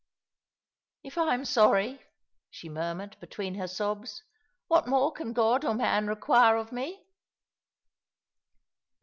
" If I am sorry/' she murmured, between her sobs, " what more can God or man require of me